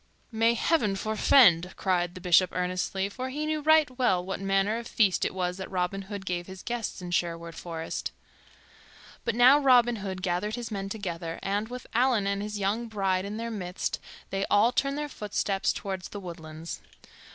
"May Heaven forfend!" cried the Bishop earnestly; for he knew right well what manner of feast it was that Robin Hood gave his guests in Sherwood Forest. But now Robin Hood gathered his men together, and, with Allan and his young bride in their midst, they all turned their footsteps toward the woodlands.